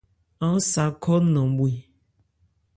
Aán sa n-khɔ́ nanmwê.